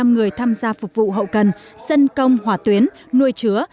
chín bốn trăm một mươi năm người tham gia phục vụ hậu cần sân công hỏa tuyến nuôi chứa